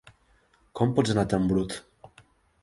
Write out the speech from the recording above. Com pots anar tan brut!